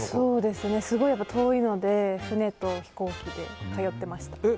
すごい遠いので船と飛行機で通ってました。